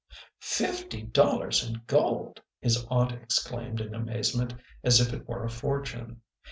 " Fifty dollars in gold !" his aunt exclaimed in amaze ment as if it were a fortune.